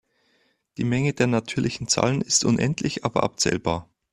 Die Menge der natürlichen Zahlen ist unendlich aber abzählbar.